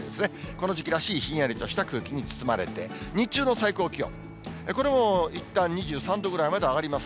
この時期らしいひんやりとした空気に包まれて、日中の最高気温、これもいったん２３度ぐらいまで上がります。